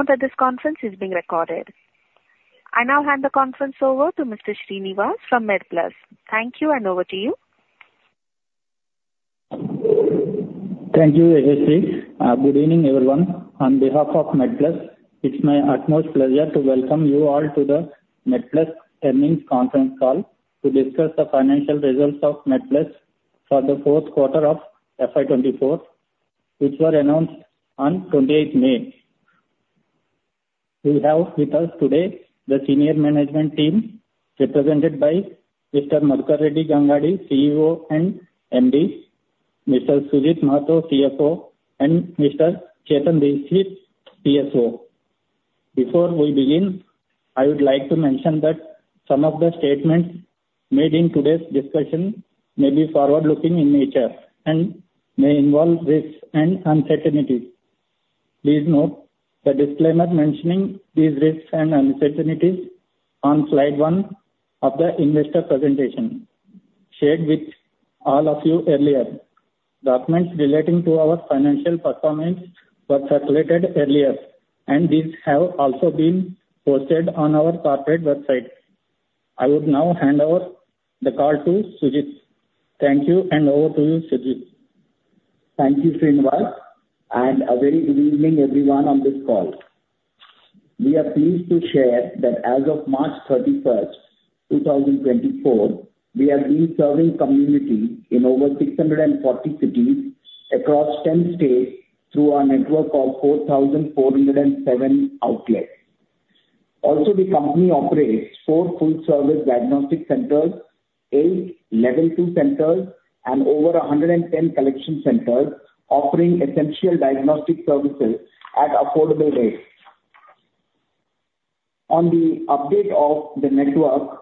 Note that this conference is being recorded. I now hand the conference over to Mr. Srinivas from MedPlus. Thank you, and over to you. Thank you, Ashley. Good evening, everyone. On behalf of MedPlus, it's my utmost pleasure to welcome you all to the MedPlus Earnings Conference Call to discuss the financial results of MedPlus for the fourth quarter of FY24, which were announced on 28th May. We have with us today the senior management team, represented by Mr. Madhukar Gangadi, CEO and MD, Mr. Sujit Mahato, CFO, and Mr. Chetan Dikshit, CSO. Before we begin, I would like to mention that some of the statements made in today's discussion may be forward-looking in nature and may involve risks and uncertainties. Please note the disclaimer mentioning these risks and uncertainties on slide one of the investor presentation shared with all of you earlier. Documents relating to our financial performance were circulated earlier, and these have also been posted on our corporate website. I will now hand over the call to Sujit. Thank you, and over to you, Sujit. Thank you, Srinivas, and a very good evening, everyone on this call. We are pleased to share that as of March 31, 2024, we have been serving community in over 640 cities across 10 states through our network of 4,407 outlets. Also, the company operates four food service diagnostic centers, eight level two centers, and over 110 collection centers offering essential diagnostic services at affordable rates. On the update of the network,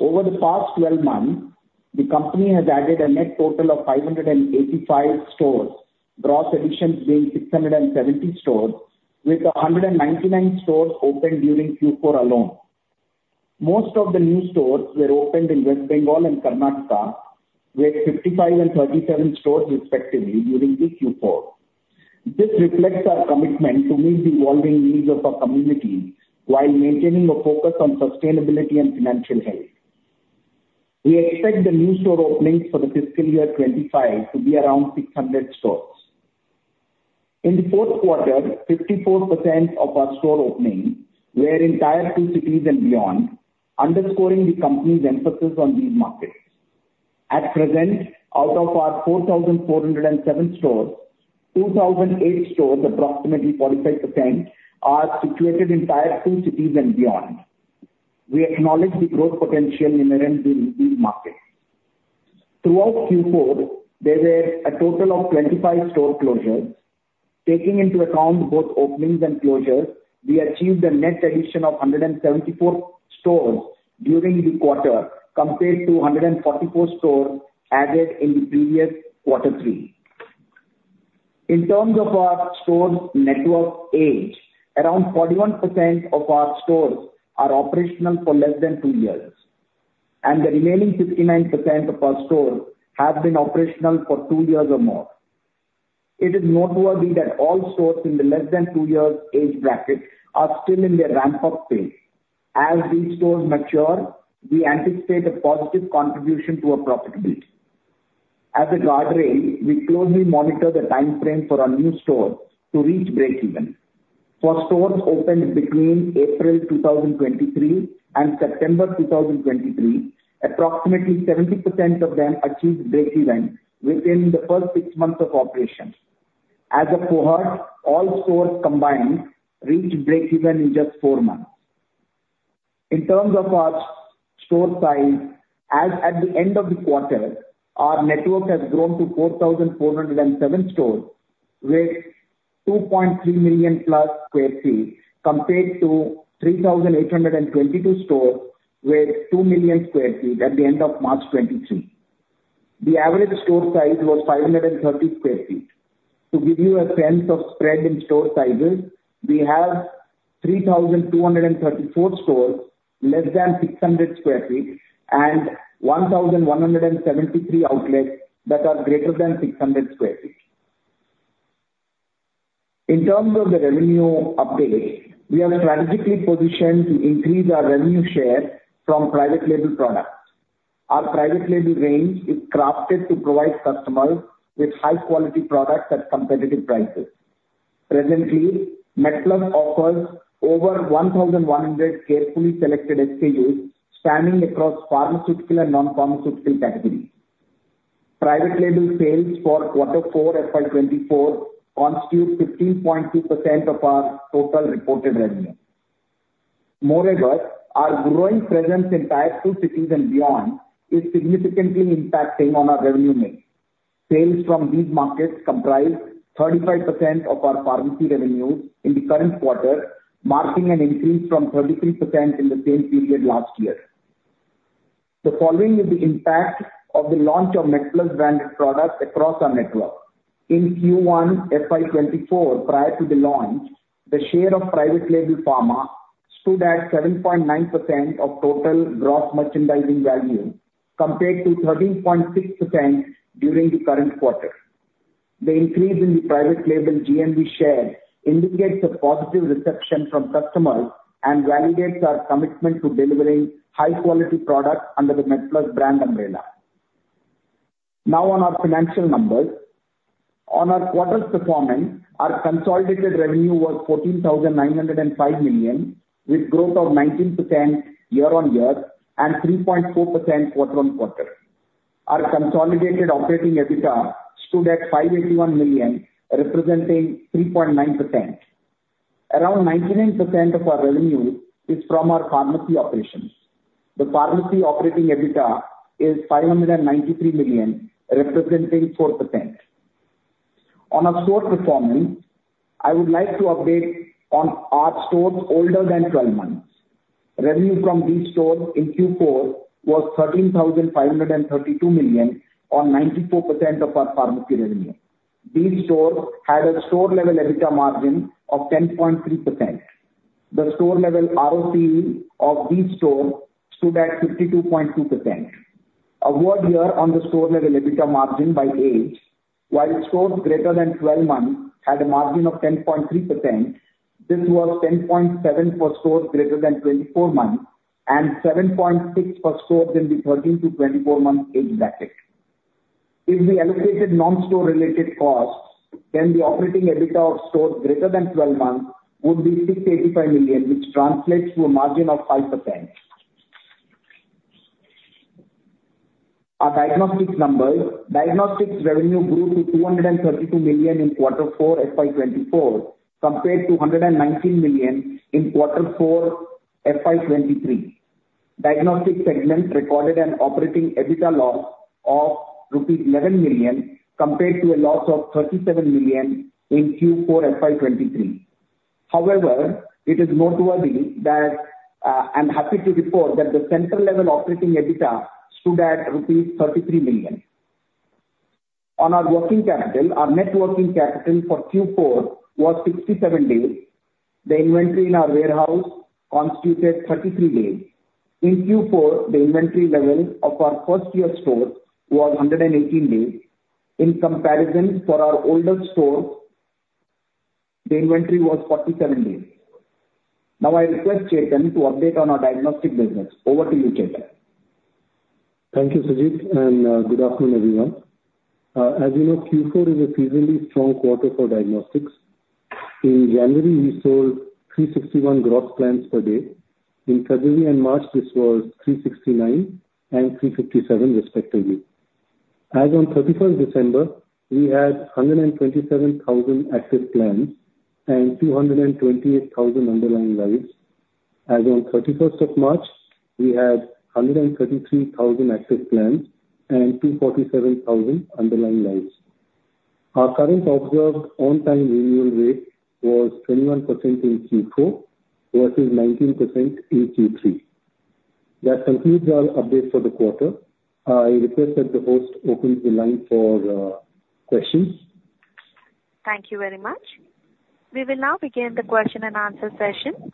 over the past 12 months, the company has added a net total of 585 stores, gross additions being 670 stores, with 199 stores opened during Q4 alone. Most of the new stores were opened in West Bengal and Karnataka, with 55 and 37 stores, respectively, during this Q4. This reflects our commitment to meet the evolving needs of our community while maintaining a focus on sustainability and financial health. We expect the new store openings for the fiscal year 2025 to be around 600 stores. In the fourth quarter, 54% of our store openings were in Tier 2 cities and beyond, underscoring the company's emphasis on these markets. At present, out of our 4,007 stores, 2,008 stores, approximately 45%, are situated in Tier 2 cities and beyond. We acknowledge the growth potential inherent in these markets. Throughout Q4, there were a total of 25 store closures. Taking into account both openings and closures, we achieved a net addition of 174 stores during the quarter, compared to 144 stores added in the previous quarter three. In terms of our stores' network age, around 41% of our stores are operational for less than two years, and the remaining 59% of our stores have been operational for two years or more. It is noteworthy that all stores in the less than two years age bracket are still in their ramp-up phase. As these stores mature, we anticipate a positive contribution to our profitability. As a guardrail, we closely monitor the timeframe for our new stores to reach breakeven. For stores opened between April 2023 and September 2023, approximately 70% of them achieved breakeven within the first six months of operations. As a cohort, all stores combined reached breakeven in just four months. In terms of our store size, as at the end of the quarter, our network has grown to 4,007 stores, with 2.3+ million sq ft, compared to 3,822 stores, with 2 million sq ft at the end of March 2023. The average store size was 530 sq ft. To give you a sense of spread in store sizes, we have 3,234 stores less than 600 sq ft and 1,173 outlets that are greater than 600 sq ft. In terms of the revenue update, we are strategically positioned to increase our revenue share from private label products. Our private label range is crafted to provide customers with high-quality products at competitive prices. Presently, MedPlus offers over 1,100 carefully selected SKUs spanning across pharmaceutical and non-pharmaceutical categories. Private label sales for Q4, FY2024, constitute 15.2% of our total reported revenue. Moreover, our growing presence in Tier 2 cities and beyond is significantly impacting on our revenue mix. Sales from these markets comprise 35% of our pharmacy revenue in the current quarter, marking an increase from 33% in the same period last year. The following is the impact of the launch of MedPlus brand products across our network. In Q1, FY2024, prior to the launch, the share of private label pharmaceutical stood at 7.9% of total gross merchandising value, compared to 13.6% during the current quarter. The increase in the private label GMV share indicates a positive reception from customers and validates our commitment to delivering high quality product under the MedPlus brand umbrella. Now, on our financial numbers. On our quarter's performance, our consolidated revenue was 14,905 million, with growth of 19% year-on-year and 3.4% quarter-on-quarter. Our consolidated operating EBITDA stood at 581 million, representing 3.9%. Around 99% of our revenue is from our pharmacy operations. The pharmacy operating EBITDA is 593 million, representing 4%. On our store performance, I would like to update on our stores older than 12 months. Revenue from these stores in Q4 was 13,532 million, or 94% of our pharmacy revenue. These stores had a store level EBITDA margin of 10.3%. The store level ROCE of these stores stood at 52.2%. A word here on the store level EBITDA margin by age. While stores greater than 12 months had a margin of 10.3%, this was 10.7% for stores greater than 24 months and 7.6% for stores in the 13 to 24-month age bracket. If we allocated non-store related costs, then the operating EBITDA of stores greater than 12 months would be 685 million, which translates to a margin of 5%. Our diagnostics numbers. Diagnostics revenue grew to 232 million in Q4 FY24, compared to 119 million in Q4 FY23. Diagnostics segment recorded an operating EBITDA loss of rupees 11 million, compared to a loss of 37 million in Q4 FY 2023. However, it is noteworthy that, I'm happy to report that the center level operating EBITDA stood at rupees 33 million. On our working capital, our net working capital for Q4 was 67 days. The inventory in our warehouse constituted 33 days. In Q4, the inventory level of our first-year stores was 118 days. In comparison, for our older stores, the inventory was 47 days. Now, I request Chetan to update on our diagnostics business. Over to you, Chetan. Thank you, Sujit, and, good afternoon, everyone. As you know, Q4 is a seasonally strong quarter for diagnostics. In January, we sold 361 gross plans per day. In February and March, this was 369 and 357 respectively. As on 31st December, we had 127,000 active plans and 228,000 underlying lives. As on 31st of March, we had 133,000 active plans and 247,000 underlying lives. Our current observed on-time renewal rate was 21% in Q4, versus 19% in Q3. That concludes our update for the quarter. I request that the host opens the line for questions. Thank you very much. We will now begin the question and answer session.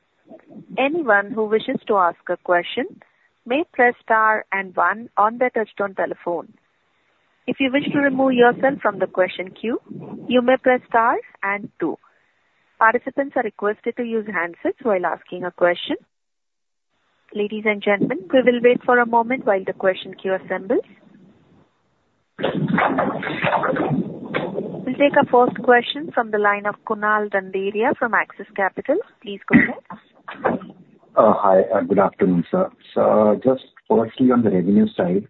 Anyone who wishes to ask a question may press star and one on their touchtone telephone. If you wish to remove yourself from the question queue, you may press star and two. Participants are requested to use handsets while asking a question. Ladies and gentlemen, we will wait for a moment while the question queue assembles. We'll take our first question from the line of Kunal Randeria from Axis Capital. Please go ahead. Hi, good afternoon, sir. So, just firstly, on the revenue side,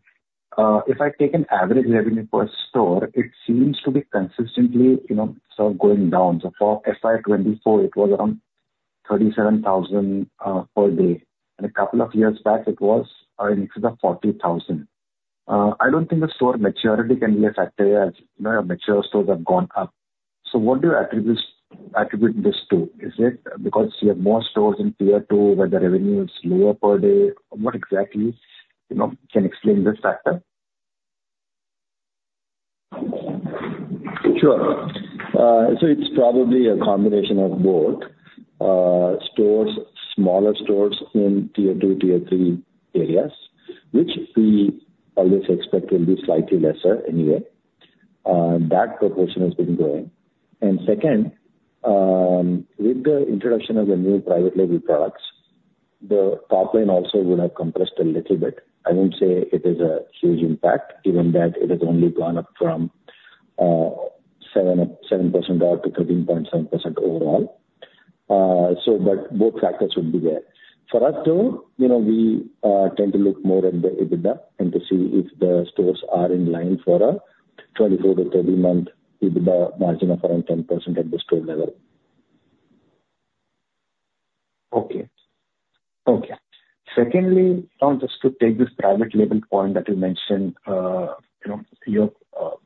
if I take an average revenue per store, it seems to be consistently, you know, sort of going down. So for FY24, it was around 37,000 per day, and a couple of years back it was in excess of 40,000. I don't think the store maturity can be a factor as, you know, our mature stores have gone up. So what do you attribute this to? Is it because you have more stores in Tier 2, where the revenue is lower per day? What exactly, you know, can explain this factor? Sure. So it's probably a combination of both. Stores, smaller stores in Tier 2, Tier 3 areas, which we always expect will be slightly lesser anyway. That proportion has been growing. And second, with the introduction of the new private label products, the top line also would have compressed a little bit. I wouldn't say it is a huge impact, given that it has only gone up from seven, seven percent to 13.7% overall. So but both factors would be there. For us, though, you know, we tend to look more at the EBITDA and to see if the stores are in line for a 24 to 30-month EBITDA margin of around 10% at the store level. Okay. Okay. Secondly, now just to take this private label point that you mentioned, you know, your,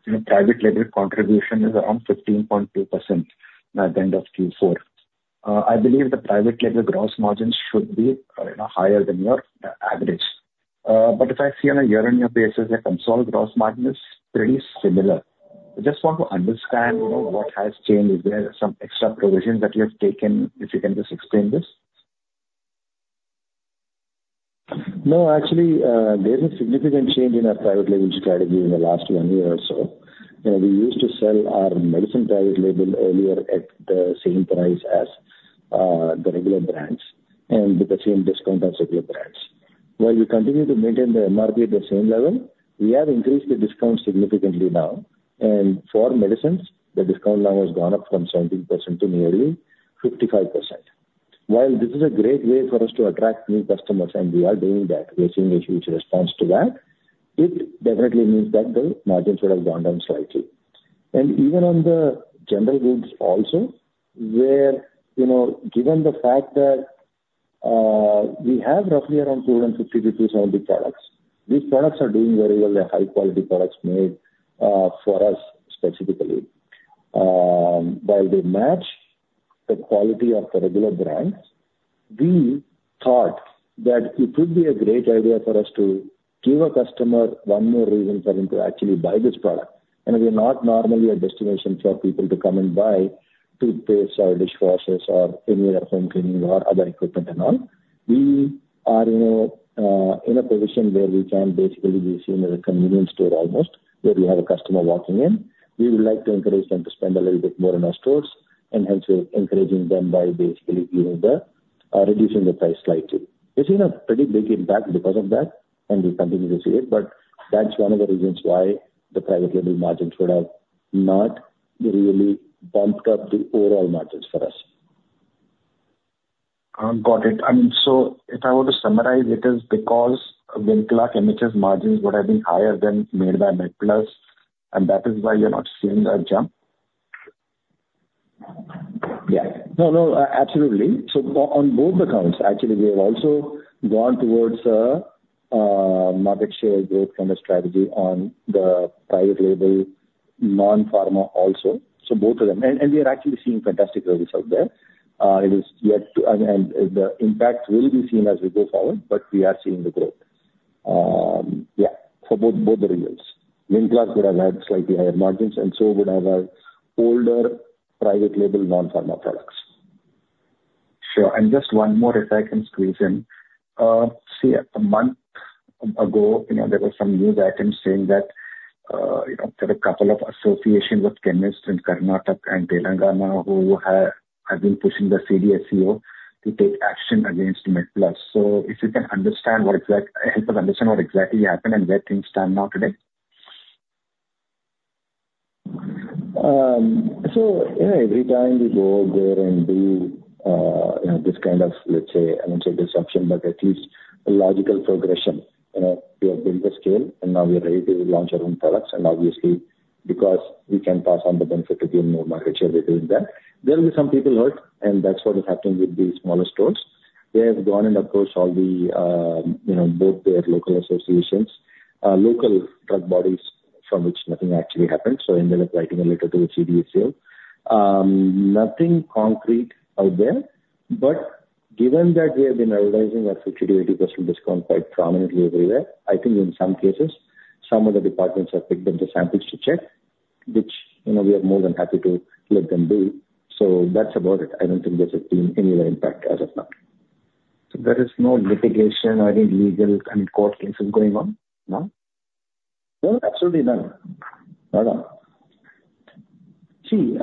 you know, private label contribution is around 15.2% at the end of Q4. I believe the private label gross margins should be, you know, higher than your average. But if I see on a year-on-year basis, the consolidated gross margin is pretty similar. I just want to understand, you know, what has changed. Is there some extra provisions that you have taken? If you can just explain this. No, actually, there's a significant change in our private label strategy in the last one year or so. You know, we used to sell our medicine private label earlier at the same price as the regular brands and with the same discount as regular brands. While we continue to maintain the MRP at the same level, we have increased the discount significantly now. For medicines, the discount now has gone up from 17% to nearly 55%. While this is a great way for us to attract new customers, and we are doing that, we are seeing a huge response to that, it definitely means that the margins would have gone down slightly. Even on the general goods also, where, you know, given the fact that, we have roughly around 250-300 products, these products are doing very well. They're high quality products made for us specifically. While they match the quality of the regular brands, we thought that it would be a great idea for us to give a customer one more reason for him to actually buy this product. We are not normally a destination for people to come and buy toothpaste or dishwashers or any other home cleaning or other equipment and all. We are, you know, in a position where we can basically be seen as a convenience store almost, where we have a customer walking in. We would like to encourage them to spend a little bit more in our stores, and hence we're encouraging them by basically reducing the price slightly. We've seen a pretty big impact because of that, and we continue to see it, but that's one of the reasons why the private label margins would have not really bumped up the overall margins for us. Got it. So if I were to summarize, it is because Wynclark margins would have been higher than made by MedPlus, and that is why you're not seeing a jump? Yeah. No, no, absolutely. So on both accounts, actually, we have also gone towards a market share growth kind of strategy on the private label, non-pharma also, so both of them. And we are actually seeing fantastic results there. It is yet to, and the impact will be seen as we go forward, but we are seeing the growth. Yeah, so both, both the reasons. Wynclark would have had slightly higher margins, and so would have our older private label, non-pharma products. Sure. And just one more, if I can squeeze in. See, a month ago, you know, there were some news items saying that, you know, there are a couple of associations with chemists in Karnataka and Telangana who have been pushing the CDSCO to take action against MedPlus. So if you can help us understand what exactly happened and where things stand now today? So, you know, every time we go there and do, you know, this kind of, let's say, I won't say disruption, but at least a logical progression. You know, we have built the scale, and now we are ready to launch our own products, and obviously, because we can pass on the benefit of gaining more market share by doing that. There will be some people hurt, and that's what is happening with the smaller stores. They have gone and approached all the, you know, both their local associations, local drug bodies, from which nothing actually happened, so ended up writing a letter to the CDSCO. Nothing concrete out there, but given that we have been advertising our 50%-80% discount quite prominently everywhere, I think in some cases, some of the departments have picked up the samples to check, which, you know, we are more than happy to let them do. So that's about it. I don't think there's been any other impact as of now. So there is no litigation or any legal and court cases going on, no? No, absolutely none. None at all. See,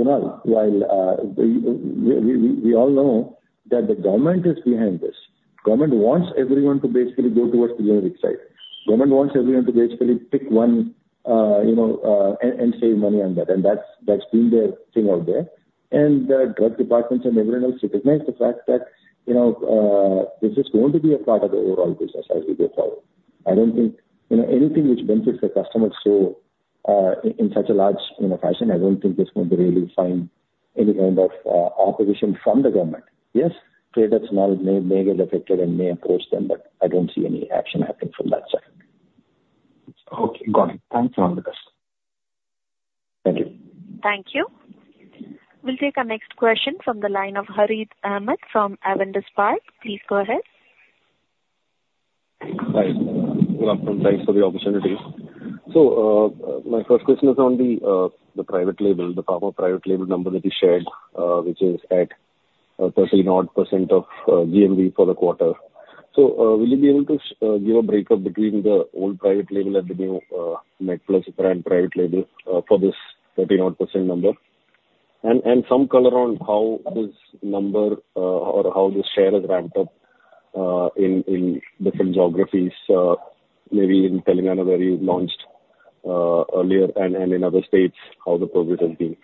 Kunal, while we all know that the government is behind this. Government wants everyone to basically go towards the generic side. Government wants everyone to basically pick one, you know, and save money on that, and that's been the thing out there. The drug departments and everyone else recognize the fact that, you know, this is going to be a part of the overall business as we go forward. I don't think, you know, anything which benefits the customer so, in such a large, you know, fashion, I don't think it's going to really find any kind of opposition from the government. Yes, trade at small may get affected and may approach them, but I don't see any action happening from that side. Okay, got it. Thanks for all the best. Thank you. Thank you. We'll take our next question from the line of Harith Ahamed from Avendus Spark. Please go ahead. Hi. Good afternoon. Thanks for the opportunity. So, my first question is on the private label, the pharma private label number that you shared, which is at 30%-odd of GMV for the quarter. So, will you be able to give a breakup between the old private label and the new MedPlus brand private label for this 30%-odd number? And some color on how this number or how this share has ramped up in different geographies, maybe in Telangana, where you launched earlier, and in other states, how the progress has been.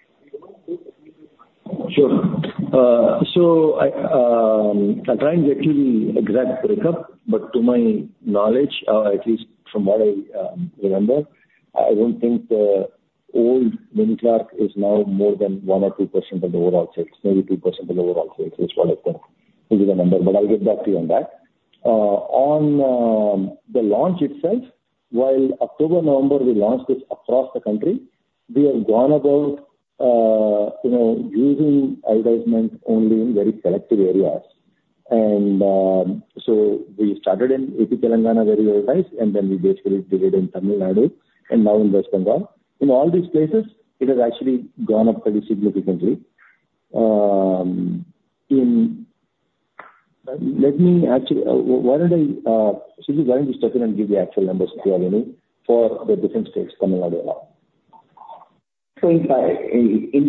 Sure. So I'll try and get you the exact breakup, but to my knowledge, at least from what I remember, I don't think the old Wynclark is now more than 1% or 2% of the overall sales, maybe 2% of the overall sales, is what I think is the number, but I'll get back to you on that. On the launch itself, while October, November, we launched this across the country. We have gone about, you know, using advertisement only in very selective areas. So we started in AP Telangana very early, and then we basically did it in Tamil Nadu, and now in West Bengal. In all these places, it has actually gone up very significantly. Let me actually, why don't I, Sujit, why don't you step in and give the actual numbers, if you have any, for the different states, Tamil Nadu and all? So in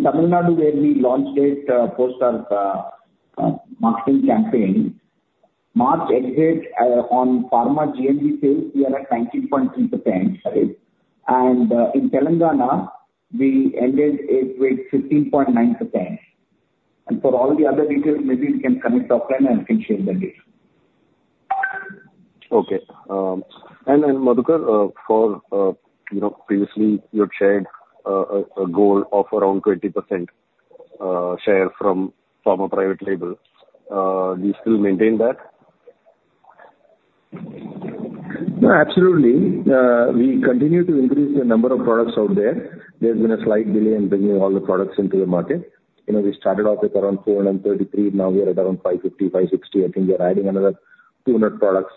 Tamil Nadu, where we launched it, post our marketing campaign, March exit, on pharma GMV sales, we are at 19.3%, right? And in Telangana, we ended it with 15.9%. And for all the other details, maybe we can connect offline and can share the data. Okay. And Madhukar, for you know, previously you had shared a goal of around 20% share from a private label. Do you still maintain that? No, absolutely. We continue to increase the number of products out there. There's been a slight delay in bringing all the products into the market. You know, we started off with around 433, now we are at around 550, 560. I think we are adding another 200 products.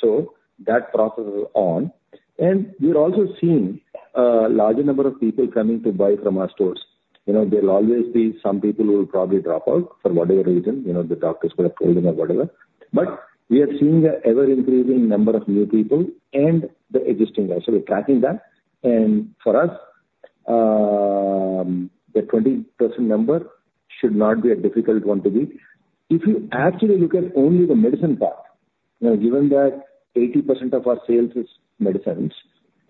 So that process is on. And we're also seeing a larger number of people coming to buy from our stores. You know, there'll always be some people who will probably drop out for whatever reason, you know, the doctors would have told them or whatever. But we are seeing an ever-increasing number of new people and the existing ones, so we're tracking that. And for us, the 20% number should not be a difficult one to beat. If you actually look at only the medicine part, you know, given that 80% of our sales is medicines,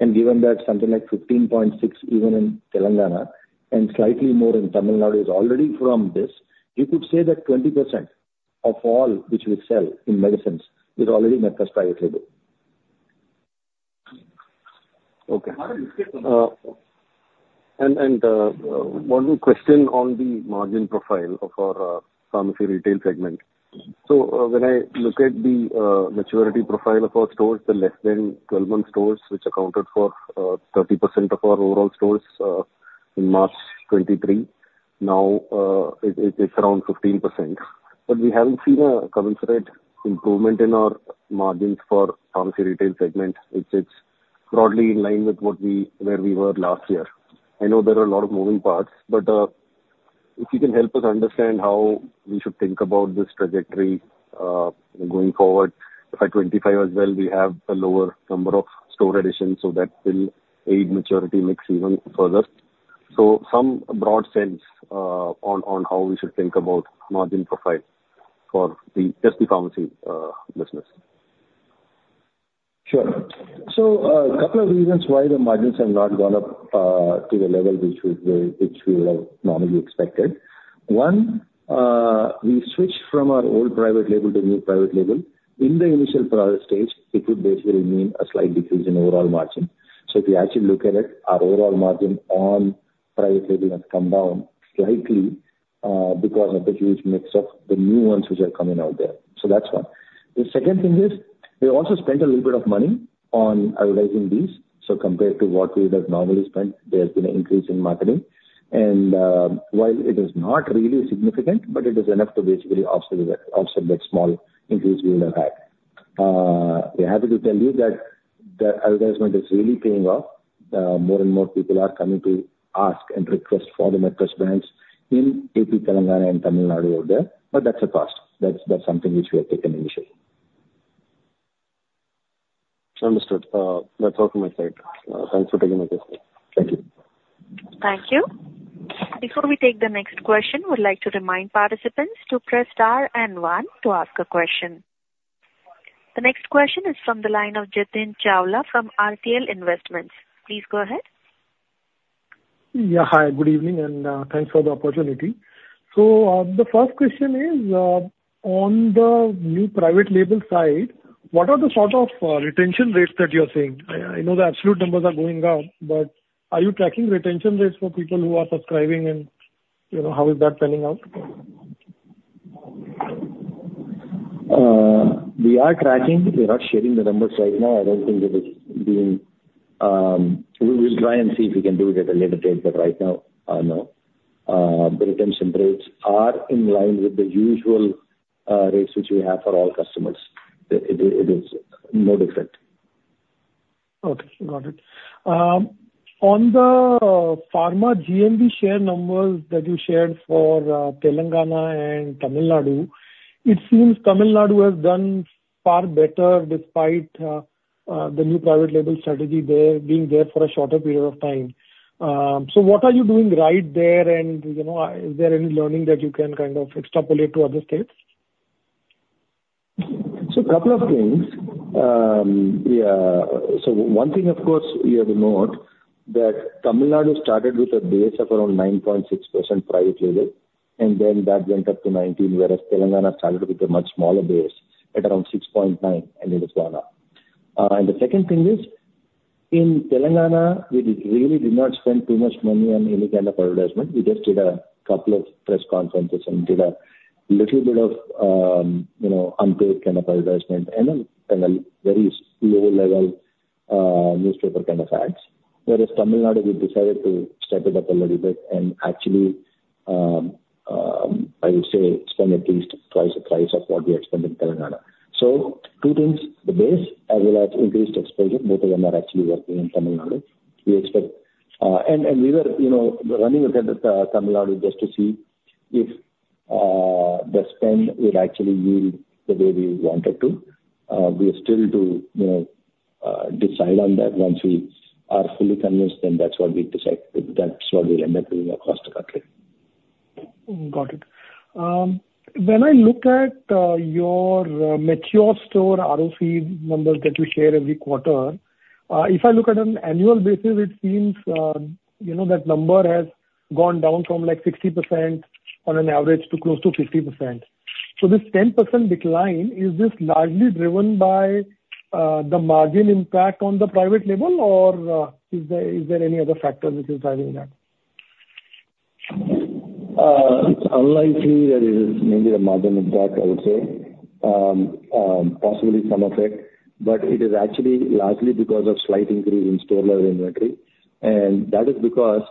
and given that something like 15.6, even in Telangana, and slightly more in Tamil Nadu, is already from this, you could say that 20% of all which we sell in medicines is already MedPlus private label. Okay. And, and, one question on the margin profile of our pharmacy retail segment. So, when I look at the maturity profile of our stores, the less than 12-month stores, which accounted for 30% of our overall stores in March 2023. Now, it, it's around 15%, but we haven't seen a commensurate improvement in our margins for pharmacy retail segment. It's, it's broadly in line with what we, where we were last year. I know there are a lot of moving parts, but, if you can help us understand how we should think about this trajectory, going forward, by 2025 as well, we have a lower number of store additions, so that will aid maturity mix even further. So, some broad sense on how we should think about margin profile for just the pharmacy business. Sure. So, couple of reasons why the margins have not gone up, to the level which we, which we would have normally expected. One, we switched from our old private label to new private label. In the initial product stage, it would basically mean a slight decrease in overall margin. So if you actually look at it, our overall margin on private label has come down slightly, because of the huge mix of the new ones which are coming out there. So that's one. The second thing is, we also spent a little bit of money on advertising these. So compared to what we would have normally spent, there's been an increase in marketing. And, while it is not really significant, but it is enough to basically offset that small increase we would have had. We're happy to tell you that the advertisement is really paying off. More and more people are coming to ask and request for the MedPlus brands in AP Telangana and Tamil Nadu out there, but that's a cost. That's something which we have taken initially. Understood. That's all from my side. Thanks for taking my question. Thank you. Thank you. Before we take the next question, we'd like to remind participants to press Star and One to ask a question. The next question is from the line of Jatin Chawla from RTL Investments. Please go ahead. Yeah. Hi, good evening, and, thanks for the opportunity. So, the first question is, on the new private label side, what are the sort of, retention rates that you are seeing? I, I know the absolute numbers are going up, but are you tracking retention rates for people who are subscribing, and, you know, how is that panning out? We are tracking. We're not sharing the numbers right now. I don't think it is being. We'll try and see if we can do it at a later date, but right now, no. The retention rates are in line with the usual rates which we have for all customers. It is no different. Okay, got it. On the pharma GMV share numbers that you shared for Telangana and Tamil Nadu, it seems Tamil Nadu has done far better despite the new private label strategy there being there for a shorter period of time. So what are you doing right there? And, you know, is there any learning that you can kind of extrapolate to other states? So a couple of things. Yeah. So one thing, of course, you have to note that Tamil Nadu started with a base of around 9.6% private label, and then that went up to 19%, whereas Telangana started with a much smaller base at around 6.9%, and it has gone up. And the second thing is, in Telangana, we really did not spend too much money on any kind of advertisement. We just did a couple of press conferences and did a little bit of, you know, unpaid kind of advertisement and a, and a very low-level, newspaper kind of ads. Whereas Tamil Nadu, we decided to step it up a little bit and actually, I would say spend at least twice the price of what we had spent in Telangana. So two things, the base as well as increased expenditure, both of them are actually working in Tamil Nadu. We expect, and we were, you know, running ahead with Tamil Nadu just to see if the spend would actually yield the way we want it to. We are still to, you know, decide on that. Once we are fully convinced, then that's what we decide. That's what we'll end up doing across the country. Got it. When I look at your mature store ROC numbers that you share every quarter, if I look at it on annual basis, it seems, you know, that number has gone down from, like, 60% on an average to close to 50%. So this 10% decline, is this largely driven by the margin impact on the private label, or is there any other factor which is driving that? It's unlikely that it is mainly the margin impact, I would say. Possibly some effect, but it is actually largely because of slight increase in store level inventory, and that is because,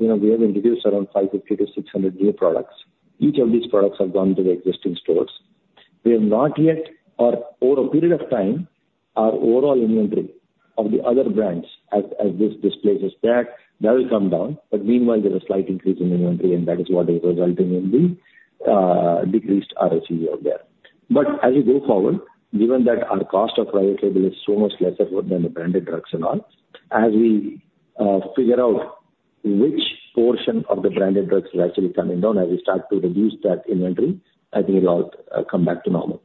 you know, we have introduced around 550-600 new products. Each of these products have gone to the existing stores. We have not yet or over a period of time, our overall inventory of the other brands as, as this displaces that, that will come down, but meanwhile, there is a slight increase in inventory, and that is what is resulting in the decreased ROCE out there. But as we go forward, given that our cost of private label is so much lesser than the branded drugs and all, as we figure out which portion of the branded drugs is actually coming down, as we start to reduce that inventory, I think it'll come back to normal.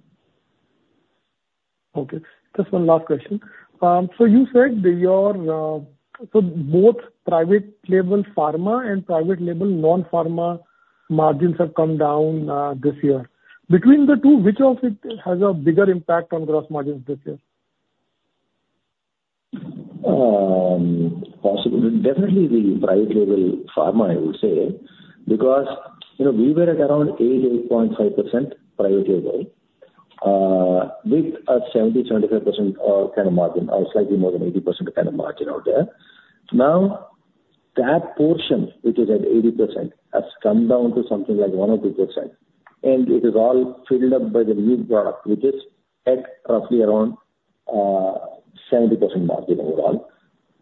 Okay. Just one last question. So you said that your, so both private label pharma and private label non-pharma margins have come down, this year. Between the two, which of it has a bigger impact on gross margins this year? Possibly, definitely the private label pharma, I would say, because, you know, we were at around 8%-8.5% private label, with a 70%-75%, kind of margin or slightly more than 80% kind of margin out there. Now, that portion, which is at 80%, has come down to something like 1% or 2%, and it is all filled up by the new product, which is at roughly around 70% margin overall.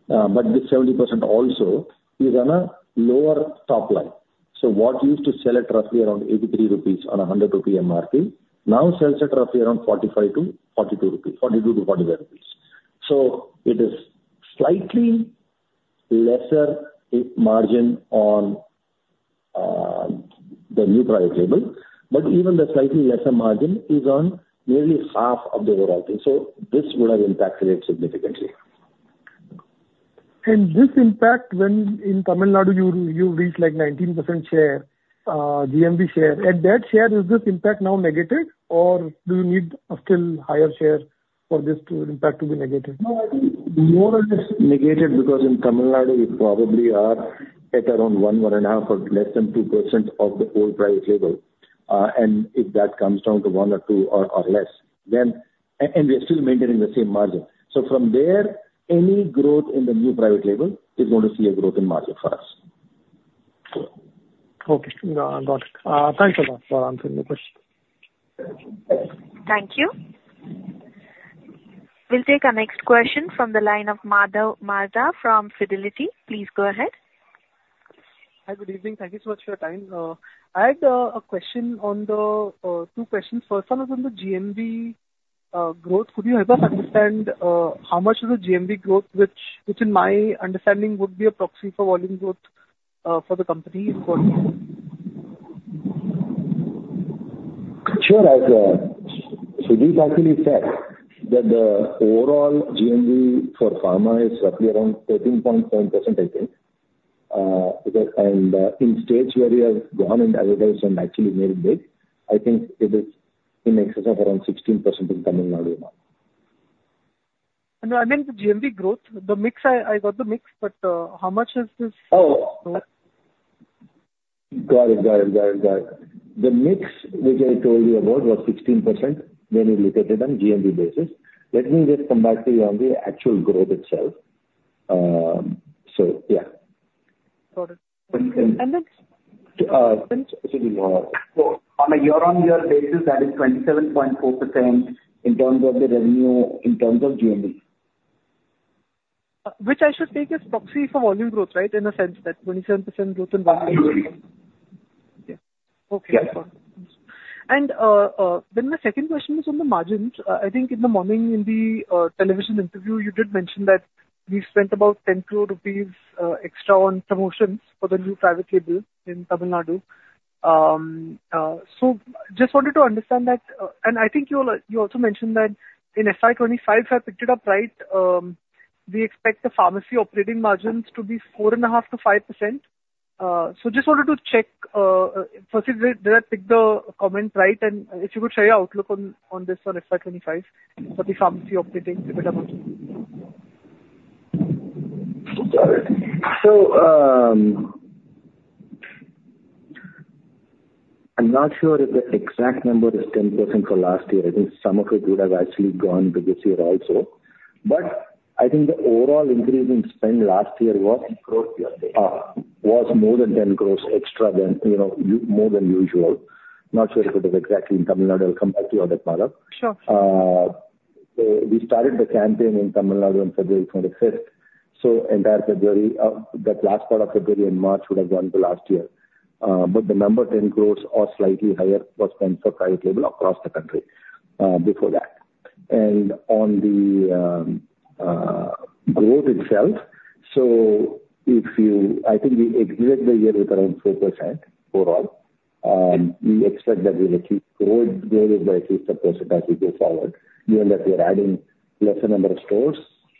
But this 70% also is on a lower top line. So what we used to sell at roughly around 83 rupees on a 100 rupee MRP now sells at roughly around 45 to 42 rupees, 42 to 45 rupees. So it is slightly lesser in margin on the new private label, but even the slightly lesser margin is on nearly half of the overall thing. So this would have impacted it significantly. This impact when in Tamil Nadu, you reached, like, 19% share, GMV share. At that share, is this impact now negated, or do you need a still higher share for this impact to be negated? No, I think more or less negated, because in Tamil Nadu, we probably are at around 1%, 1.5%, or less than 2% of the whole private label. And if that comes down to 1% or 2% or less, then and we are still maintaining the same margin. So from there, any growth in the new private label is going to see a growth in margin for us. Okay. Got it. Thanks a lot for answering the question. Thank you. We'll take our next question from the line of Madhav Marda from Fidelity. Please go ahead. Hi. Good evening. Thank you so much for your time. I had a question on the two questions. First one is on the GMV growth. Could you help us understand how much is the GMV growth, which, which in my understanding, would be a proxy for volume growth for the company in total? Sure. As Sujit actually said that the overall GMV for pharma is roughly around 13.7%, I think. Because and in states where we have gone and advertised and actually made it big, I think it is in excess of around 16% in Tamil Nadu now. No, I meant the GMV growth. The mix, I got the mix, but how much is this? Oh. Got it, got it, got it, got it. The mix which I told you about was 16% when you look at it on GMV basis. Let me just come back to you on the actual growth itself. So yeah. Got it. And then. On a year-on-year basis, that is 27.4% in terms of the revenue, in terms of GMV. which I should take as proxy for volume growth, right? In the sense that 27% growth in volume. Uh, absolutely. Yeah. Okay. Yeah. Then my second question is on the margins. I think in the morning, in the television interview, you did mention that we spent about 10 crore rupees extra on promotions for the new private label in Tamil Nadu. So just wanted to understand that, and I think you also mentioned that in FY25, if I picked it up right, we expect the pharmacy operating margins to be 4.5%-5%. So just wanted to check, firstly, did I pick the comment right? And if you could share your outlook on this for FY25 for the pharmacy operating profit margin. Got it. So, I'm not sure if the exact number is 10% for last year. I think some of it would have actually gone into this year also. But I think the overall increase in spend last year was- Crore, you're saying. Was more than 10 crore extra than, you know, more than usual. Not sure if it is exactly in Tamil Nadu. I'll come back to you on that matter. Sure. We started the campaign in Tamil Nadu on February 25th, so entire February, that last part of February and March would have gone to last year. But the number 10 crore or slightly higher was spent for private label across the country, before that. And on the growth itself, so if you, I think we exit the year with around 4% overall. We expect that we will achieve growth, growth rate by at least 1% as we go forward, given that we are adding lesser number of stores,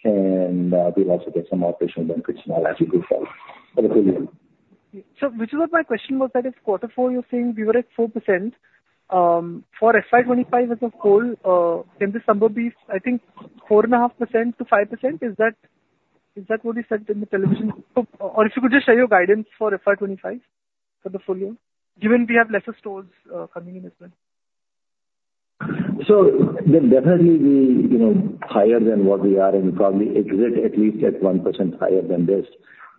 and we'll also get some operational benefits now as we go forward. So which is what my question was, that is Q4, you're saying we were at 4%. For FY25 as a whole, can this number be, I think, 4.5%-5%? Is that, is that what you said in the television? Or if you could just share your guidance for FY25 for the full year, given we have lesser stores, coming in as well. So then definitely be, you know, higher than what we are, and probably exit at least at 1% higher than this.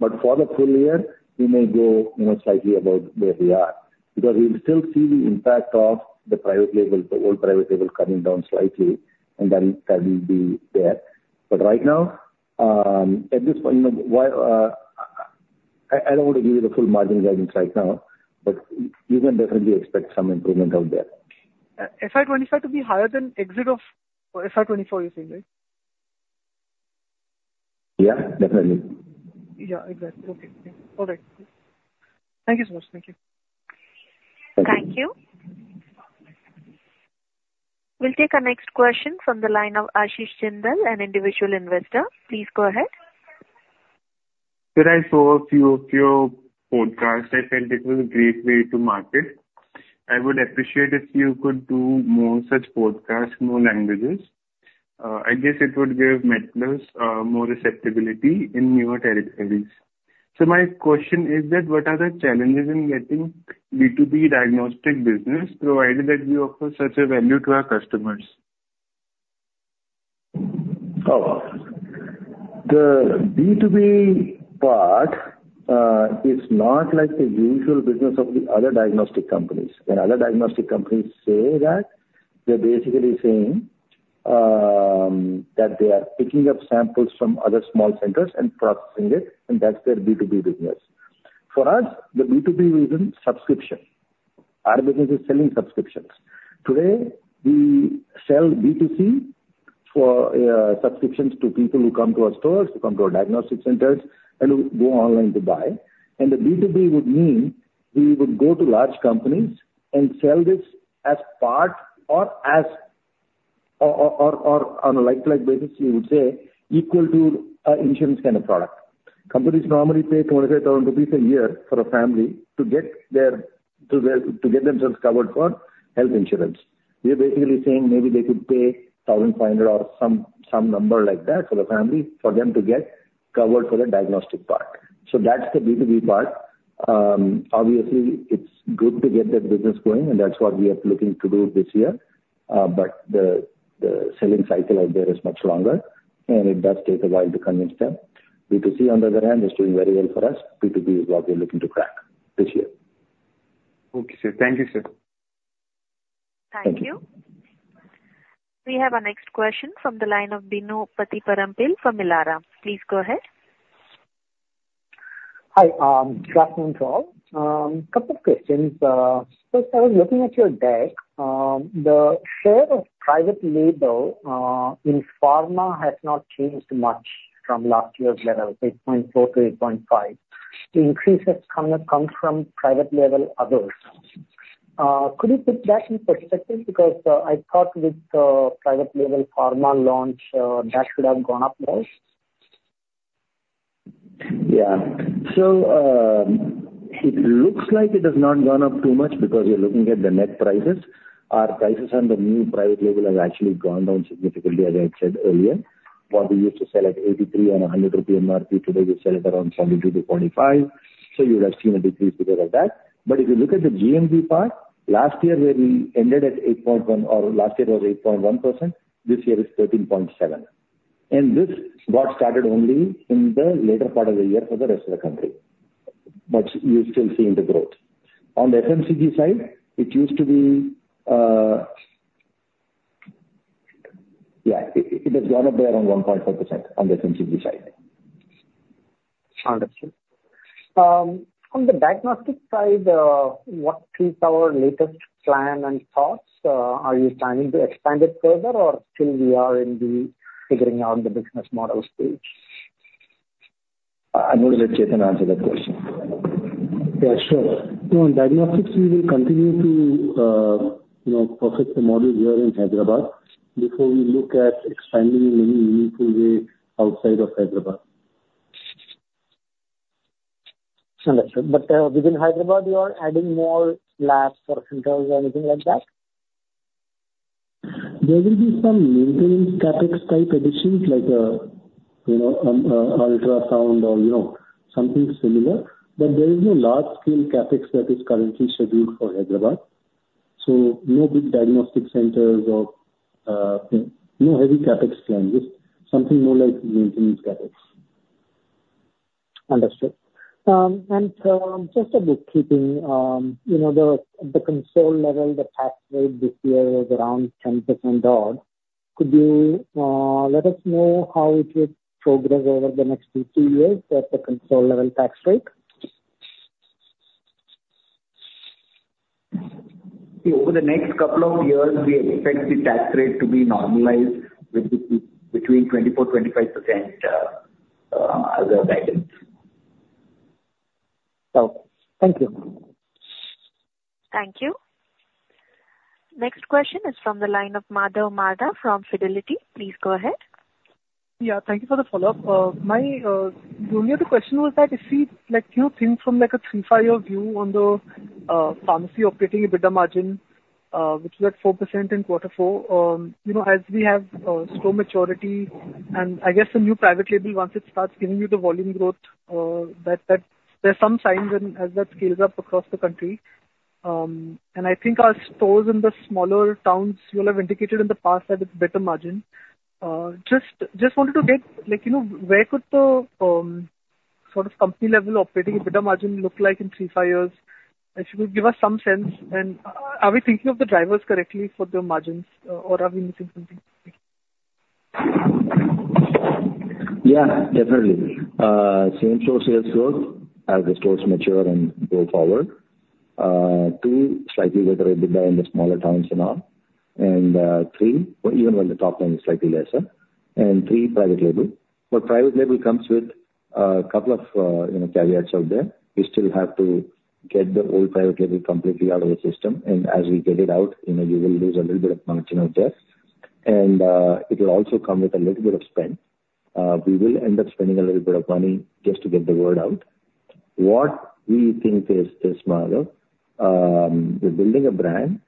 But for the full year, we may go, you know, slightly above where we are, because we will still see the impact of the private label, the old private label, coming down slightly, and that will be there. But right now, at this point, you know, while I don't want to give you the full margin guidance right now, but you can definitely expect some improvement out there. FY25 to be higher than exit of FY24, you're saying, right? Yeah, definitely. Yeah, exactly. Okay. All right. Thank you so much. Thank you. Thank you. We'll take our next question from the line of Ashish Jindal, an individual investor. Please go ahead. Sir, I saw a few podcasts. I think it was a great way to market. I would appreciate if you could do more such podcasts, more languages. I guess it would give MedPlus more acceptability in newer territories. So my question is that, what are the challenges in getting B2B diagnostic business, provided that we offer such a value to our customers? Oh. The B2B part is not like the usual business of the other diagnostic companies. When other diagnostic companies say that, they're basically saying that they are picking up samples from other small centers and processing it, and that's their B2B business. For us, the B2B is in subscription. Our business is selling subscriptions. Today, we sell B2C for subscriptions to people who come to our stores, who come to our diagnostic centers, and who go online to buy. And the B2B would mean we would go to large companies and sell this as part or as, or on a like-like basis, you would say, equal to an insurance kind of product. Companies normally pay 25,000 rupees a year for a family to get themselves covered for health insurance. We are basically saying maybe they could pay 1,500 or some number like that for the family, for them to get covered for the diagnostic part. So that's the B2B part. Obviously, it's good to get that business going, and that's what we are looking to do this year. But the selling cycle out there is much longer, and it does take a while to convince them. B2C, on the other hand, is doing very well for us. B2B is what we're looking to crack this year. Okay, sir. Thank you, sir. Thank you. We have our next question from the line of Bino Pathiparampil from Elara Capital. Please go ahead. Hi, good afternoon to all. Couple of questions. First, I was looking at your deck. The share of private label in pharma has not changed much from last year's level, 8.4-8.5. The increase has come from private label others. Could you put that in perspective? Because I thought with the private label pharma launch, that should have gone up more. Yeah. So, it looks like it has not gone up too much because you're looking at the net prices. Our prices on the new private label have actually gone down significantly, as I said earlier. What we used to sell at 83 and 100 rupee MRP, today we sell it around 72-25, so you would have seen a decrease because of that. But if you look at the GMV part, last year, where we ended at 8.1%, or last year was 8.1%, this year is 13.7%. And this got started only in the later part of the year for the rest of the country, but you're still seeing the growth. On the FMCG side, it used to be. Yeah, it, it has gone up there around 1.5% on the FMCG side. Understood. On the diagnostic side, what is our latest plan and thoughts? Are you planning to expand it further, or still we are in the figuring out the business model stage? I will let Chetan answer that question. Yeah, sure. You know, in diagnostics, we will continue to, you know, perfect the model here in Hyderabad before we look at expanding in any meaningful way outside of Hyderabad. Understood. But, within Hyderabad, you are adding more labs or centers or anything like that? There will be some maintenance CapEx-type additions like, you know, ultrasound or, you know, something similar. But there is no large-scale CapEx that is currently scheduled for Hyderabad. So no big diagnostic centers or, no heavy CapEx plans, just something more like maintenance CapEx. Understood. Just a bookkeeping, you know, the consolidated level, the tax rate this year was around 10% odd. Could you let us know how it will progress over the next two years at the consolidated level tax rate? Over the next couple of years, we expect the tax rate to be normalized between 24%-25%, as a guidance. Okay. Thank you. Thank you. Next question is from the line of Madhav Marda from Fidelity. Please go ahead. Yeah, thank you for the follow-up. My, the only other question was that if we, like, you think from, like, a three to five year view on the pharmacy operating EBITDA margin, which was at 4% in Q4. You know, as we have store maturity, and I guess the new private label, once it starts giving you the volume growth, that, that there are some signs and as that scales up across the country. And I think our stores in the smaller towns, you'll have indicated in the past, have a better margin. Just, just wanted to get, like, you know, where could the sort of company level operating EBITDA margin look like in three to five years? If you could give us some sense, are we thinking of the drivers correctly for the margins, or are we missing something? Yeah, definitely. Same-store sales growth as the stores mature and go forward. Two, slightly greater EBITDA in the smaller towns and all. And three, even when the top line is slightly lesser, and three, private label. But private label comes with a couple of, you know, caveats out there. We still have to get the old private label completely out of the system, and as we get it out, you know, you will lose a little bit of margin out there. And it will also come with a little bit of spend. We will end up spending a little bit of money just to get the word out. What we think is, is Mada, we're building a brand,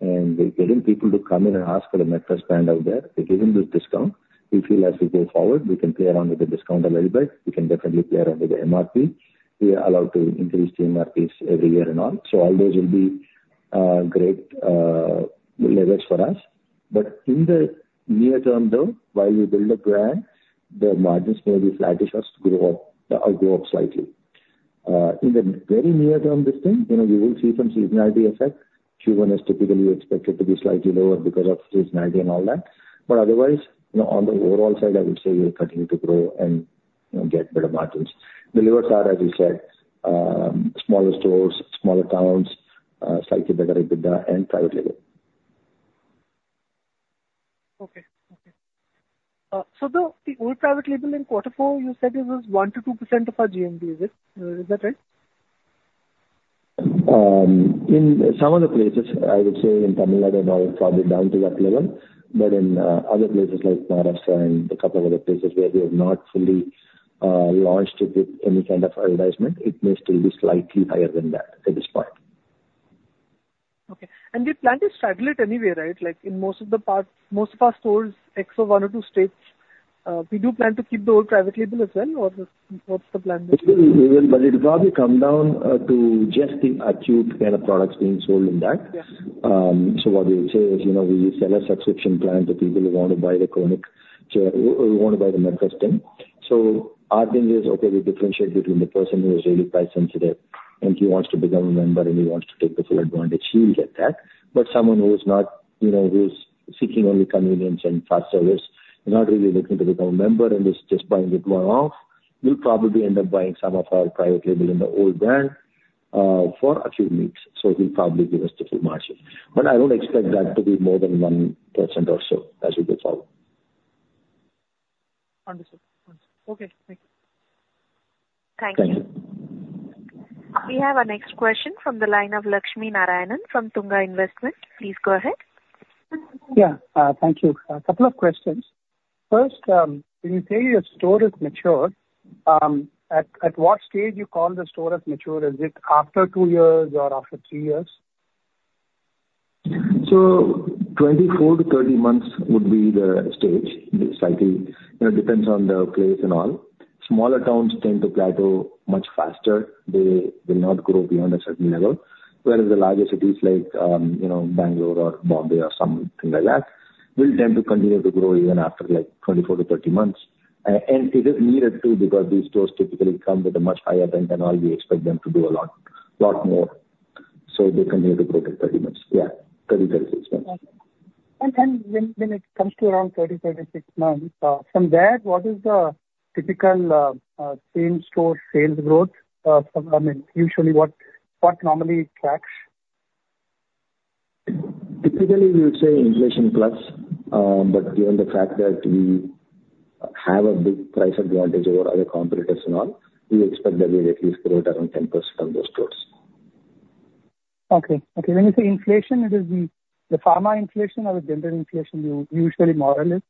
and we're getting people to come in and ask for the MedPlus brand out there. We're giving this discount. We feel as we go forward, we can play around with the discount a little bit. We can definitely play around with the MRP. We are allowed to increase the MRPs every year and on. So all those will be great levers for us. But in the near term, though, while we build a brand, the margins may be flattish as to grow up or grow up slightly. In the very near term, this thing, you know, we will see some seasonality effect. Q1 is typically expected to be slightly lower because of seasonality and all that. But otherwise, you know, on the overall side, I would say we'll continue to grow and get better margins. The levers are, as you said, smaller stores, smaller towns, slightly better EBITDA and private label. Okay. Okay. So the old private label in Q4, you said it was 1%-2% of our GMV. Is it, is that right? In some of the places, I would say in Tamil Nadu, now it's probably down to that level, but in other places like Maharashtra and a couple other places where we have not fully launched with any kind of advertisement, it may still be slightly higher than that at this point. Okay. We plan to straddle it anyway, right? Like in most of the parts, most of our stores, except for one or two states, we do plan to keep the old private label as well, or what's the plan there? But it'll probably come down to just the acute kind of products being sold in that. Yeah. So what we will say is, you know, we sell a subscription plan to people who want to buy the chronic, so who want to buy the MedPlus thing. So our thing is, okay, we differentiate between the person who is really price sensitive, and he wants to become a member, and he wants to take the full advantage, he'll get that. But someone who is not, you know, who is seeking only convenience and fast service, not really looking to become a member and is just buying it one-off, will probably end up buying some of our private label in the old brand for acute needs. So he'll probably give us the full margins. But I don't expect that to be more than 1% or so as we go forward. Understood. Understood. Okay, thank you. Thank you. Thank you. We have our next question from the line of Lakshminarayanan from Tunga Investments. Please go ahead. Yeah. Thank you. A couple of questions. First, when you say your store is mature, at what stage you call the store as mature? Is it after two years or after three years? So 24-30 months would be the stage. Slightly, it depends on the place and all. Smaller towns tend to plateau much faster. They will not grow beyond a certain level. Whereas the larger cities like, you know, Bengaluru or Mumbai or something like that, will tend to continue to grow even after, like, 24-30 months. And it is needed, too, because these stores typically come with a much higher rent and all. We expect them to do a lot, lot more. So they continue to grow to 30 months. Yeah, 30, 36 months. And then when it comes to around 30-36 months, from there, what is the typical same-store sales growth? From there, I mean, usually, what normally tracks? Typically, we would say inflation plus, but given the fact that we have a big price advantage over other competitors and all, we expect that we at least grow at around 10% on those stores. Okay. Okay, when you say inflation, it is the, the pharma inflation or the general inflation you usually model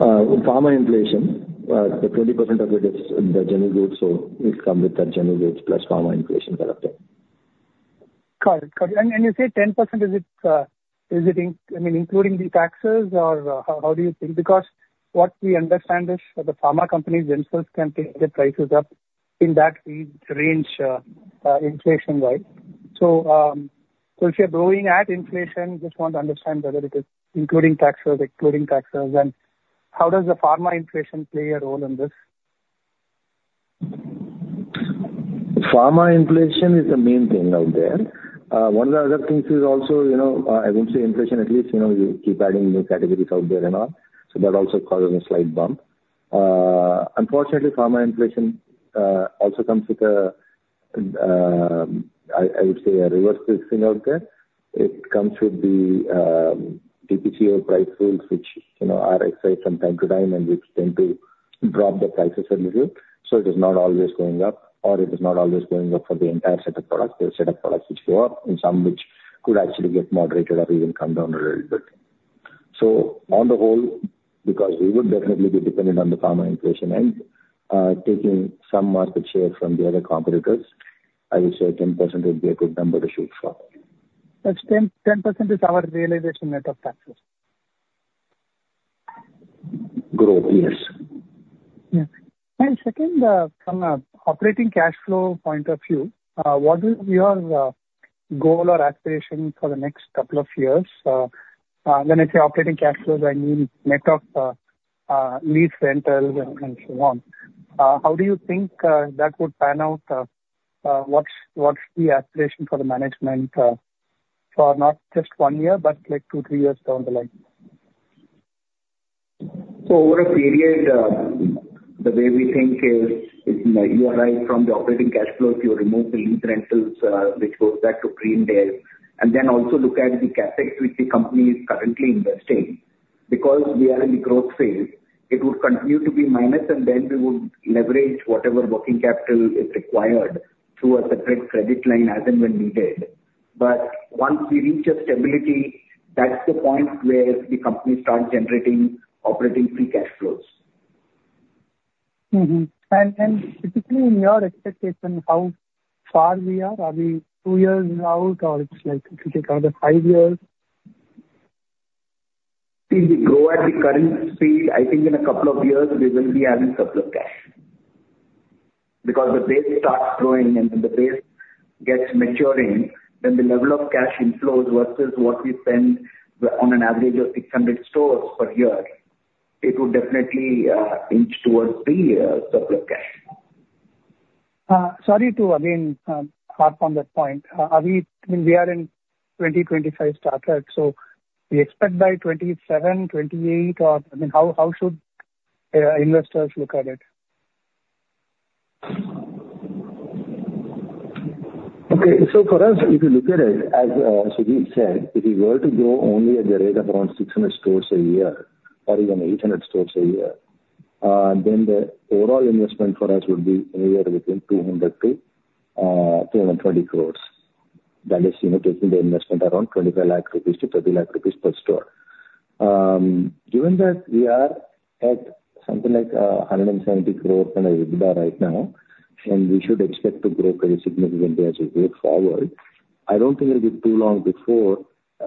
it with? Pharma inflation, the 20% of it is the general goods, so it come with that general goods plus pharma inflation kind of thing. Got it. Got it. And you say 10%, is it including the taxes, or how do you think? Because what we understand is that the pharma companies themselves can take the prices up in that range, inflation-wide. So if you're growing at inflation, just want to understand whether it is including taxes, excluding taxes, and how does the pharma inflation play a role in this? Pharma inflation is the main thing out there. One of the other things is also, you know, I won't say inflation, at least, you know, you keep adding new categories out there and all, so that also causing a slight bump. Unfortunately, pharma inflation also comes with a, I would say, a reverse risk thing out there. It comes with the DPCO price rules, which, you know, are reset from time to time, and which tend to drop the prices a little. So it is not always going up, or it is not always going up for the entire set of products. There are set of products which go up, and some which could actually get moderated or even come down a little bit. So on the whole, because we would definitely be dependent on the pharma inflation and, taking some market share from the other competitors, I would say 10% would be a good number to shoot for. That's 10, 10% is our realization net of taxes? Growth, yes. Yeah. And second, from an operating cash flow point of view, what is your goal or aspiration for the next couple of years? When I say operating cash flows, I mean net of lease rentals and so on. How do you think that would pan out? What's the aspiration for the management for not just one year, but, like, two, three years down the line? So over a period, the way we think is, you are right, from the operating cash flow, if you remove the lease rentals, which goes back to greenfield, and then also look at the CapEx which the company is currently investing. Because we are in the growth phase, it would continue to be minus, and then we would leverage whatever working capital is required through a separate credit line as and when needed. But once we reach a stability, that's the point where the company starts generating operating free cash flows. And typically, in your expectation, how far we are? Are we two years out, or it's like it could take another five years? If we go at the current speed, I think in a couple of years we will be having surplus cash. Because the base starts growing, and when the base gets maturing, then the level of cash inflows versus what we spend on an average of 600 stores per year, it would definitely inch towards the surplus cash. Sorry to again harp on that point. Are we, I mean, we are in 2025 start rate, so we expect by 2027, 2028, or, I mean, how should investors look at it? Okay. So for us, if you look at it, as Sujit said, if you were to grow only at the rate of around 600 stores a year or even 800 stores a year, then the overall investment for us would be anywhere within 200-220 crores. That is, you know, taking the investment around 25 lakh-30 lakh rupees per store. Given that we are at something like 170 crores on EBITDA right now, and we should expect to grow quite significantly as we go forward, I don't think it'll be too long before.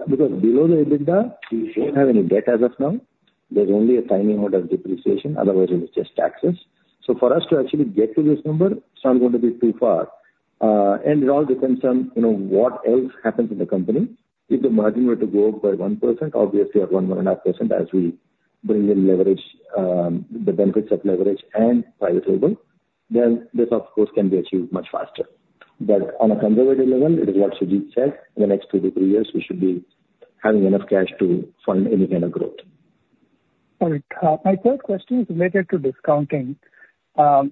Because below the EBITDA, we don't have any debt as of now. There's only a tiny amount of depreciation, otherwise it is just taxes. So for us to actually get to this number, it's not going to be too far. And it all depends on, you know, what else happens in the company. If the margin were to go up by 1%, obviously at 1%-1.5% as we bring in leverage, the benefits of leverage and price hiking, then this, of course, can be achieved much faster. But on a conservative level, it is what Sujit said. In the next two to three years, we should be having enough cash to fund any kind of growth. All right. My third question is related to discounting.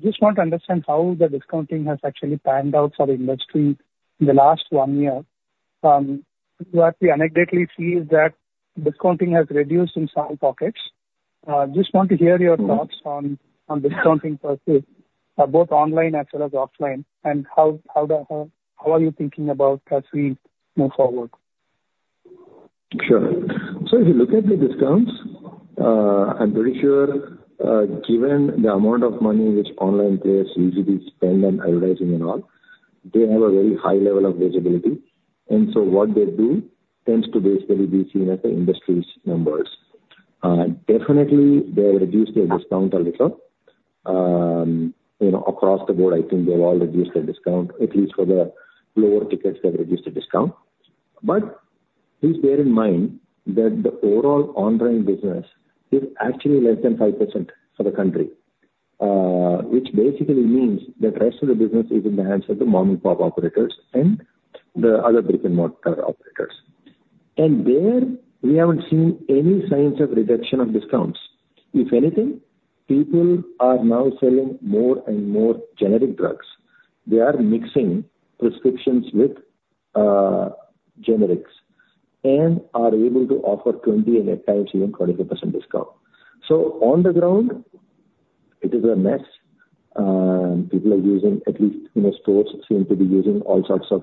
Just want to understand how the discounting has actually panned out for the industry in the last one year. What we anecdotally see is that discounting has reduced in some pockets. Just want to hear your thoughts on discounting practice, both online as well as offline, and how are you thinking about as we move forward? Sure. So if you look at the discounts, I'm pretty sure, given the amount of money which online players usually spend on advertising and all, they have a very high level of visibility, and so what they do tends to basically be seen as the industry's numbers. Definitely, they have reduced their discount a little. You know, across the board, I think they've all reduced their discount, at least for the lower tickets, they've reduced the discount. But please bear in mind that the overall online business is actually less than 5% for the country, which basically means the rest of the business is in the hands of the mom-and-pop operators and the other brick-and-mortar operators. And there, we haven't seen any signs of reduction of discounts. If anything, people are now selling more and more generic drugs. They are mixing prescriptions with generics, and are able to offer 20% and at times even 25% discount. So on the ground, it is a mess. People are using, at least, you know, stores seem to be using all sorts of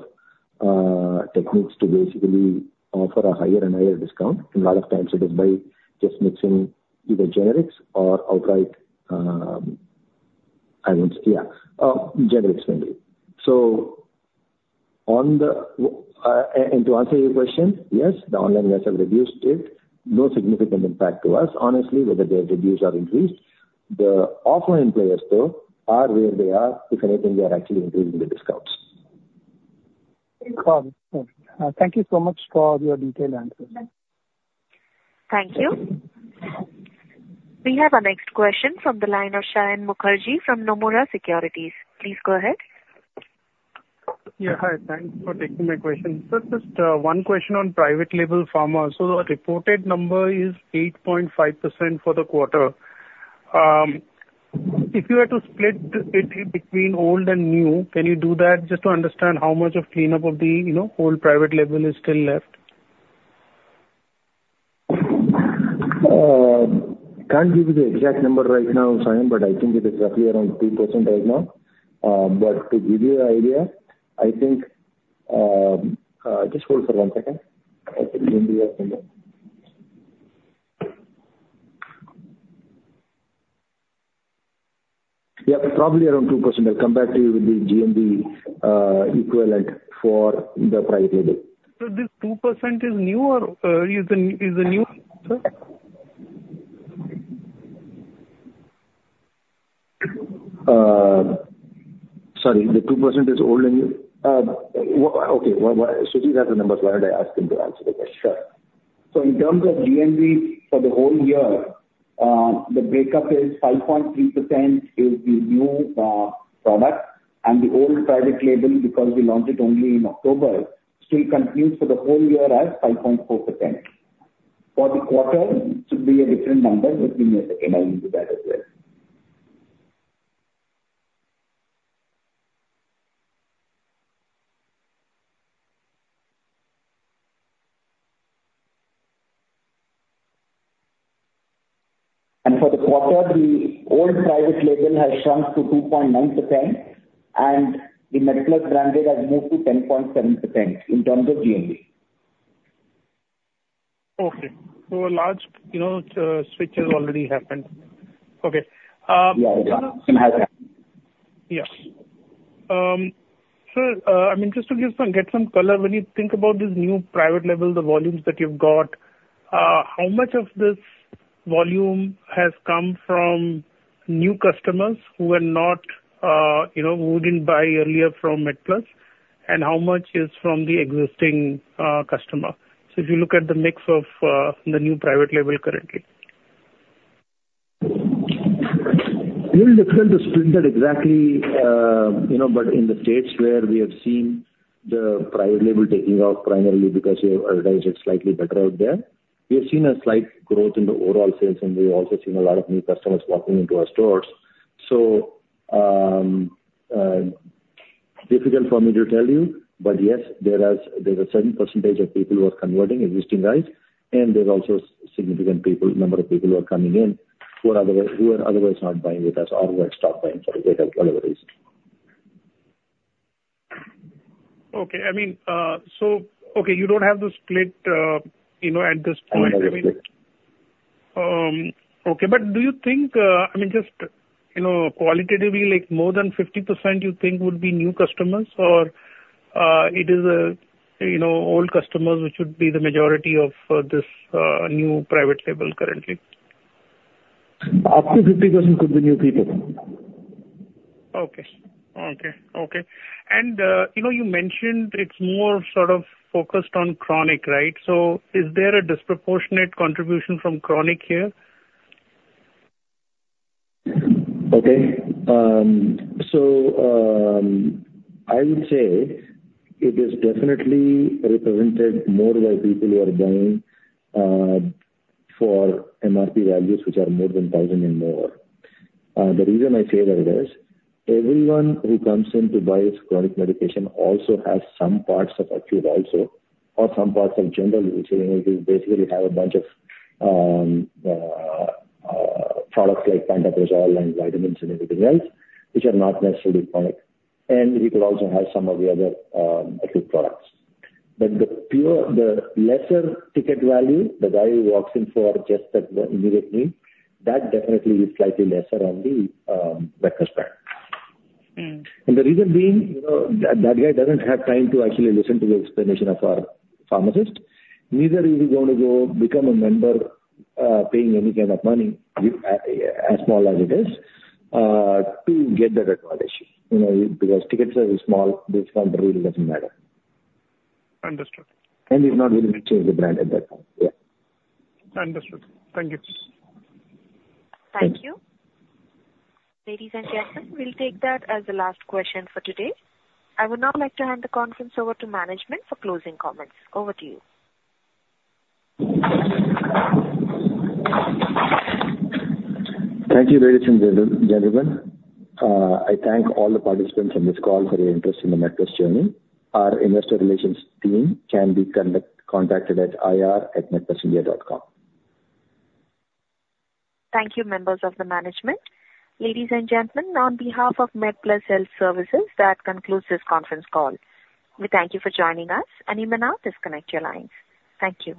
techniques to basically offer a higher and higher discount. A lot of times it is by just mixing either generics or outright. I would, yeah. Sujit will explain to you. So on the and to answer your question, yes, the online guys have reduced it. No significant impact to us, honestly, whether they have reduced or increased. The offline players, though, are where they are. If anything, they are actually increasing the discounts. Got it. Okay. Thank you so much for your detailed answers. Thank you. We have our next question from the line of Saion Mukherjee from Nomura Securities. Please go ahead. Yeah, hi. Thanks for taking my question. Sir, just one question on private label pharma. So the reported number is 8.5% for the quarter. If you were to split it between old and new, can you do that just to understand how much of cleanup of the, you know, old private label is still left? Can't give you the exact number right now, Saion, but I think it is roughly around 2% right now. But to give you an idea, I think. Just hold for one second. I think we have somewhere. Yeah, probably around 2%. I'll come back to you with the GMV equivalent for the private label. So this 2% is new or is the new, sir? Sorry, the 2% is old and new? Okay, well, well, Sujit has the numbers. Why don't I ask him to answer the question? Sure. So in terms of GMV for the whole year, the breakup is 5.3% is the new product, and the old private label, because we launched it only in October, still continues for the whole year at 5.4%. For the quarter, it should be a different number. Just give me a second, I'll give you that as well. And for the quarter, the old private label has shrunk to 2.9%, and the MedPlus branded has moved to 10.7% in terms of GMV. Okay. So a large, you know, switch has already happened. Okay. Yeah, it has. Yeah. Sir, I'm interested to get some color. When you think about this new private label, the volumes that you've got, how much of this volume has come from new customers who are not, you know, who didn't buy earlier from MedPlus, and how much is from the existing customer? So if you look at the mix of the new private label currently. Little difficult to split that exactly, you know, but in the states where we have seen the private label taking off, primarily because we have advertised it slightly better out there, we have seen a slight growth in the overall sales, and we've also seen a lot of new customers walking into our stores. So, difficult for me to tell you, but yes, there has, there's a certain percentage of people who are converting existing, right? And there's also significant people, number of people who are coming in, who are otherwise not buying with us or who have stopped buying for whatever, whatever reason. Okay. I mean, okay, you don't have the split, you know, at this point, I mean. I don't have the split. Okay. But do you think, I mean, just, you know, qualitatively, like, more than 50%, you think would be new customers? Or, it is, you know, old customers, which would be the majority of this new private label currently? Up to 50% could be new people. And, you know, you mentioned it's more sort of focused on chronic, right? So is there a disproportionate contribution from chronic here? Okay. So, I would say it is definitely represented more by people who are buying for MRP values, which are more than 1,000 and more. The reason I say that is, everyone who comes in to buy his chronic medication also has some parts of acute also, or some parts of general use. You know, they basically have a bunch of products like pantoprazole and vitamins and everything else, which are not necessarily chronic, and we could also have some of the other acute products. But the pure, the lesser ticket value, the guy who walks in for just that, the immediate need, that definitely is slightly lesser on the that aspect. The reason being, you know, that guy doesn't have time to actually listen to the explanation of our pharmacist. Neither is he going to go become a member, paying any kind of money, as small as it is, to get that advantage. You know, because tickets are small, discount really doesn't matter. Understood. He's not really going to change the brand at that time. Yeah. Understood. Thank you. Thank you. Ladies and gentlemen, we'll take that as the last question for today. I would now like to hand the conference over to management for closing comments. Over to you. Thank you, ladies and gentlemen. I thank all the participants on this call for your interest in the MedPlus journey. Our investor relations team can be contacted at ir@medplusindia.com. Thank you, members of the management. Ladies and gentlemen, on behalf of MedPlus Health Services, that concludes this conference call. We thank you for joining us, and you may now disconnect your lines. Thank you.